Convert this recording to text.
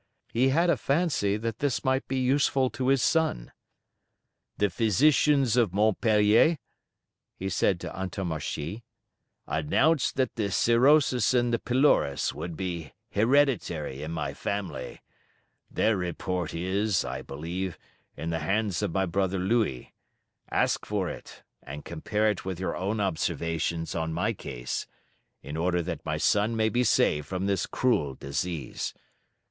He had a fancy that this might be useful to his son." "The physicians of Montpelier," he said to Antommarchi, "announced that the scirrhosis in the pylorus would be hereditary in my family; their report is, I believe, in the hands of my brother Louis; ask for it and compare it with your own observations on my case, in order that my son may be saved from this cruel disease.